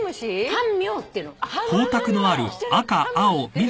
ハンミョウって虫なの。